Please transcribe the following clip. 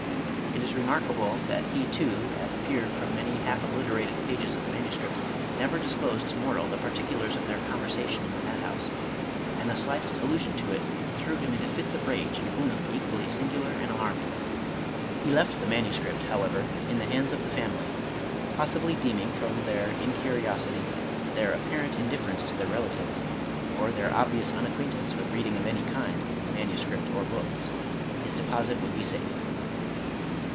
It is remarkable, that he too, as appeared from many half obliterated pages of the manu script, never disclosed to mortal the particulars of their conversation in the madhouse ; and the slightest allusion to it threw him into fits of rage and gloom equally singular and alarming. He left the manuscript, however, in the hands of the family, possibly deeming, from their incuri osity, their apparent indifference to their relative, or their obvious unacquaintance with reading of any kind, manu script or books, his deposit would be safe.